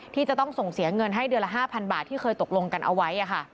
ที่จะต้องส่งเสียเงินให้เดือนละ๕๐๐บาทที่เคยตกลงกันเอาไว้